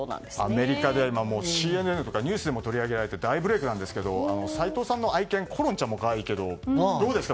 アメリカではＣＮＮとかニュースでも取り上げられて大ブレークなんですが齋藤さんの愛犬コロンちゃんも可愛いけどどうですか？